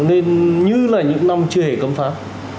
nên như là những năm chưa hề cấm pháo